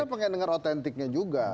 kita pengen dengar autentiknya juga